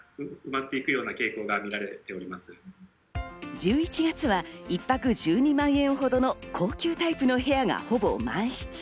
１１月は１泊１２万円ほどの高級タイプの部屋がほぼ満室。